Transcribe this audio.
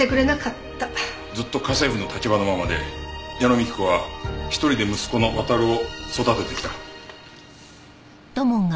ずっと家政婦の立場のままで矢野幹子は一人で息子の亘を育ててきた。